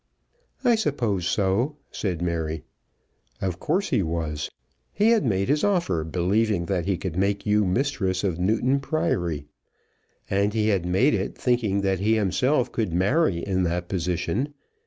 "I suppose so," said Mary. "Of course he was. He had made his offer believing that he could make you mistress of Newton Priory, and he had made it thinking that he himself could marry in that position.